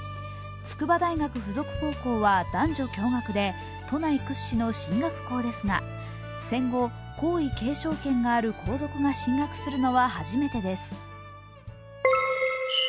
筑波大学附属高校は男女共学で都内屈指の進学校ですが、戦後、皇位継承権がある皇族が進学するのは初めてです。